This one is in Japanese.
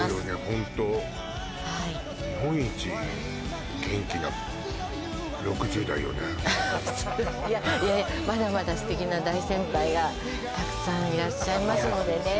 ホントはいいやいやいやまだまだ素敵な大先輩がたくさんいらっしゃいますのでね